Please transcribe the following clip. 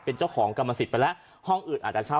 เป็นเจ้าของกรรมสิทธิ์ไปแล้วห้องอื่นอาจจะเช่า